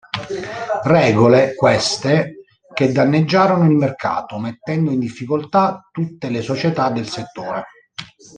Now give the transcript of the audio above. Regole, queste, che danneggiarono il mercato, mettendo in difficoltà tutte le società del settore.